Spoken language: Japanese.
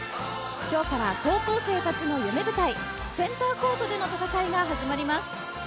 今日から高校生たちの夢舞台センターコートでの戦いが始まります。